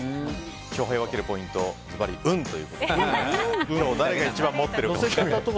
勝敗を分けるポイントはずばり、運ということで運を誰が一番持っているか。